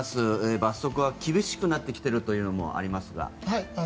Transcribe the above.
罰則は厳しくなっていることもありますが。